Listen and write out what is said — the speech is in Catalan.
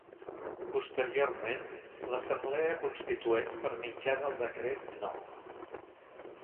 Posteriorment, l'Assemblea Constituent per mitjà del decret No.